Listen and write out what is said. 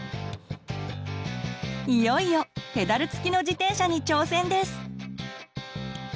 いよいよペダル付きの自転車に挑戦です！